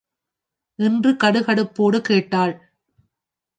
என்று கடுகடுப்போடு கேட்டாள்.